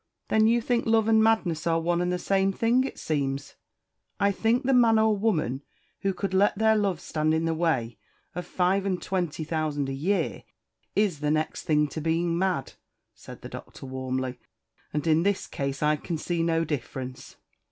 "Then you think love and madness are one and the same thing, it seems?" "I think the man or woman who could let their love stand in the way of five and twenty thousand a year is the next thing to being mad," said the Doctor warmly; "and in this case I can see no difference."